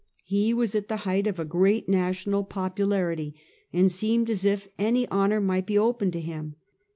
He was at the heighth of a great national popularity, and seemed as if any honor might be open to him.